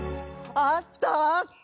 あった！